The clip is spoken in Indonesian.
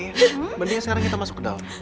dibandingkan sekarang kita masuk ke dalam